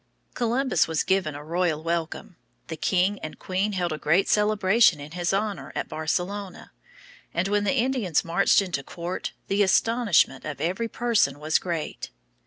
Columbus was given a royal welcome. The king and queen held a great celebration in his honor at Barcelona; and when the Indians marched into court the astonishment of every person was great.